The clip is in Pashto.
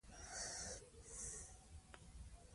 ملي بيرغ ته درناوی زموږ دنده ده.